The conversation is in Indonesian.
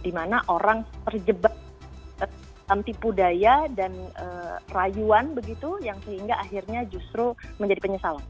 dimana orang terjebak dalam tipu daya dan rayuan begitu yang sehingga akhirnya justru menjadi penyesalan